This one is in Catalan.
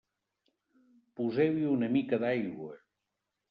Poseu-hi una mica d'aigua.